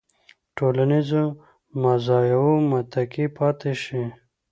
ټولنیزو مزایاوو متکي پاتې شي.